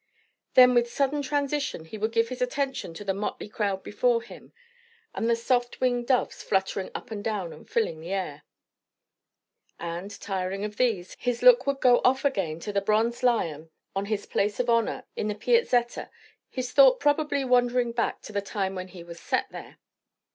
Then with sudden transition he would give his attention to the motley crowd before him, and the soft winged doves fluttering up and down and filling the air. And, tiring of these, his look would go off again to the bronze lion on his place of honour in the Piazzetta, his thought probably wandering back to the time when he was set there.